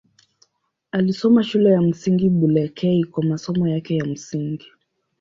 Alisoma Shule ya Msingi Bulekei kwa masomo yake ya msingi.